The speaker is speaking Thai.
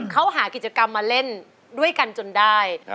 เขาหากิจกรรมมาเล่นด้วยกันจนได้